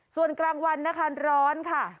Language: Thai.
ส่วนกลางวันนะคะร้อนค่ะ